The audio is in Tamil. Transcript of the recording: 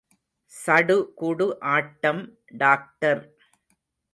சடுகுடு ஆட்டம் டாக்டர்.